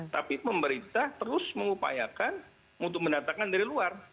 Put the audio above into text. tapi pemerintah terus mengupayakan untuk mendatangkan dari luar